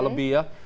lima lebih ya